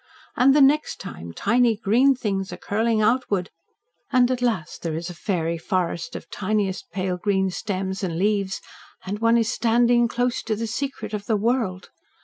And the next time, tiny green things are curling outward. And, at last, there is a fairy forest of tiniest pale green stems and leaves. And one is standing close to the Secret of the World!